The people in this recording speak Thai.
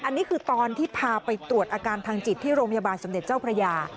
อันนี้คือตอนที่พาไปตรวจอาการทางจิตที่โรงพยาบาลสมเด็จเจ้าพระยา